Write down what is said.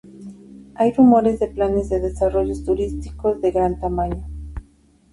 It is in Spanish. Hay rumores de planes de desarrollos turísticos de gran tamaño.